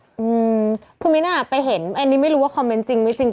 อืมคือมิ้นอ่ะไปเห็นอันนี้ไม่รู้ว่าคอมเมนต์จริงไม่จริง